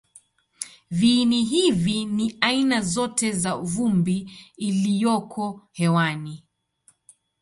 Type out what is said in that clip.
Viini hivi ni aina zote za vumbi iliyoko hewani.